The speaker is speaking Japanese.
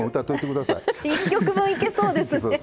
１曲分いけそうですね。